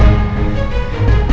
tips untuk hal wallet